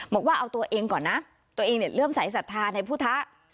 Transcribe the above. บอกว่าเอาตัวเองก่อนนะตัวเองเริ่มสายศรัทธาในพุทธะ